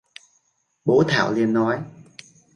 Bố Thảo liền nói